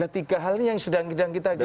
tiga hal ini yang sedang kita jaga